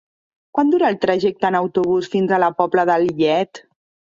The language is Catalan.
Quant dura el trajecte en autobús fins a la Pobla de Lillet?